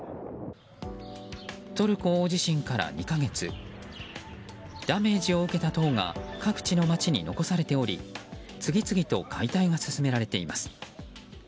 トルコ大地震から２か月ダメージを受けた塔が各地の街に残されており次々と解体が進められています。